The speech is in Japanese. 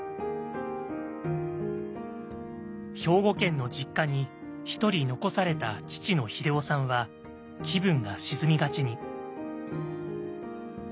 兵庫県の実家にひとり残された父の英夫さんは気分が沈みがちに。